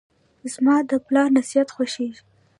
زماد پلار نصیحت خوښیږي.